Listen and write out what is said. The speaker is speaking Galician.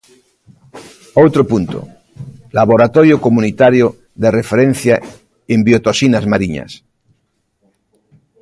Outro punto: Laboratorio Comunitario de Referencia en Biotoxinas Mariñas.